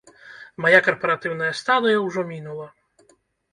Мая карпаратыўная стадыя ўжо мінула.